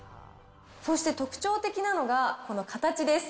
そして特徴的なのがこの形です。